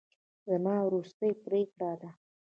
زما وروستۍ پرېکړه ده.